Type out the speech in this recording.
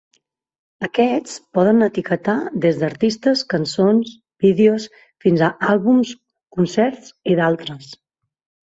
Aquests poden etiquetar des d'artistes, cançons, vídeos, fins a àlbums, concerts i d'altres.